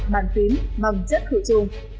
bàn phím mầm chất khử trùng